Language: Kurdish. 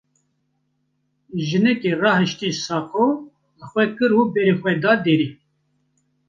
Jinikê rahişte saqo, li xwe kir û berê xwe da derî.